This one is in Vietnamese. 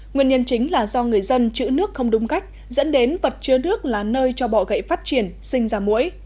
nguyên nhân chính là do người dân chữ nước không đúng cách dẫn đến vật chứa nước là nơi cho bọ gậy phát triển sinh ra mũi